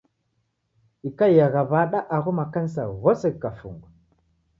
Ikaiagha w'ada agho makanisa ghose ghikafungwa?